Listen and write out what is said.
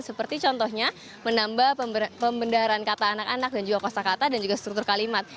seperti contohnya menambah pembendahan kata anak anak dan juga kosa kata dan juga struktur kalimat